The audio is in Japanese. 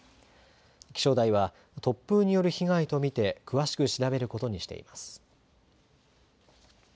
気象台は、突風による被害と見て、詳しく調べることにしています。